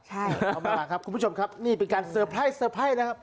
เอามาครับคุณผู้ชมครับนี่เป็นการเซอร์ไพรส์เตอร์ไพรส์นะครับ